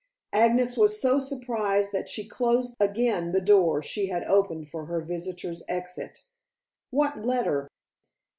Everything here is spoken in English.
Agnes was so surprised that she closed again the door she had opened for her visitor's exit. "What letter?"